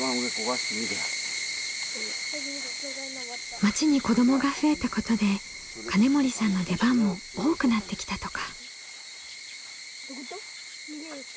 町に子どもが増えたことで金森さんの出番も多くなってきたとか。